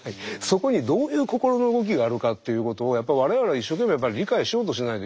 そこにどういう心の動きがあるかっていうことをやっぱり我々は一生懸命理解しようとしないといけない。